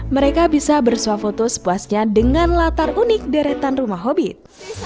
mereka bisa bersuah foto sepuasnya dengan latar unik deretan rumah hobit